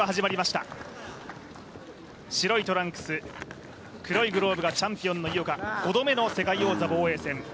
白いトランクス、黒いグローブがチャンピオンの井岡５度目の世界王座防衛戦。